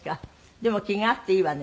でも気が合っていいわね